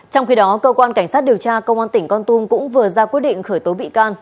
trong khi đó cơ quan cảnh sát điều tra công an tỉnh con tum cũng vừa ra quyết định khởi tố bị can